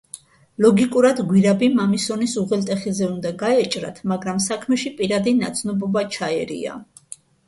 ლოგიკურად გვირაბი მამისონის უღელტეხილზე უნდა გაეჭრათ, მაგრამ საქმეში პირადი ნაცნობობა ჩაერია.